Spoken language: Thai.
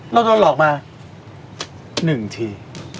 เราโดนหลอกมา๑ที